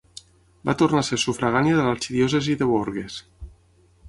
Va tornar a ser sufragània de l'arxidiòcesi de Bourges.